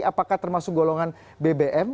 apakah termasuk golongan bbm